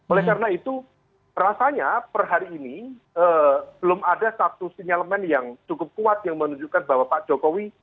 oleh karena itu rasanya per hari ini belum ada satu sinyalemen yang cukup kuat yang menunjukkan bahwa pak jokowi